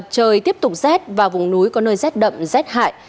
trời tiếp tục rét và vùng núi có nơi rét đậm rét hại